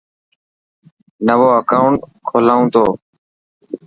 نوو اڪائوٽ کولان تو.